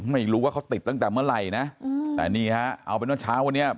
ไม่รู้ว่าเขาติดตั้งแต่เมื่อไหร่นะแต่นี่ฮะเอาเป็นว่าเช้าวันนี้